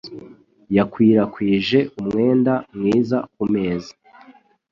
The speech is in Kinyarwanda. Yakwirakwije umwenda mwiza ku meza.